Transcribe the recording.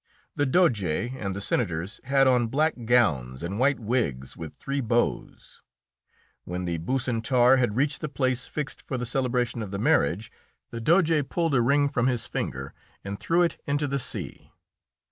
The Doge and the senators had on black gowns and white wigs with three bows. When the Bucentaur had reached the place fixed for the celebration of the marriage, the Doge pulled a ring from his finger and threw it into the sea.